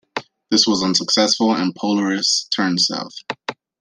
This was unsuccessful and "Polaris" turned south.